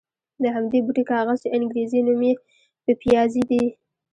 د همدې بوټي کاغذ چې انګرېزي نوم یې پپیازي دی.